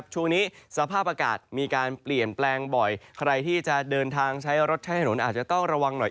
ช่วงนี้สภาพอากาศมีการเปลี่ยนแปลงบ่อยใครที่จะเดินทางใช้รถใช้ถนนอาจจะต้องระวังหน่อย